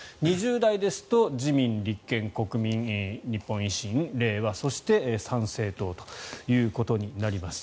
２０代ですと自民、立憲国民、日本維新、れいわそして参政党ということになります。